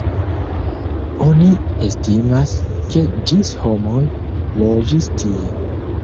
Oni estimas, ke ĝis homoj loĝis tie.